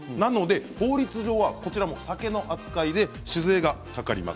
法律上は酒の扱いで酒税がかかります。